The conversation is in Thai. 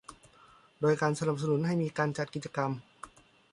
โดยการสนับสนุนให้มีการจัดกิจกรรม